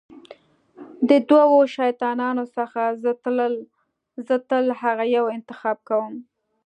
د دوو شیطانانو څخه زه تل هغه یو انتخاب کوم.